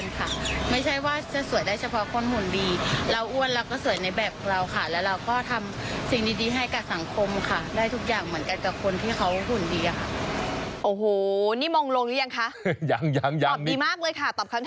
ยังนี่ตอบคำถามดีมากเลยค่ะตอบคำถามดีมาก